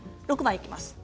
６番にいきます。